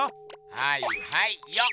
はいはいよっ！